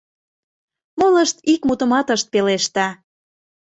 Молышт ик мутымат ышт пелеште.